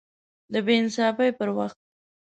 د بې انصافۍ پر وخت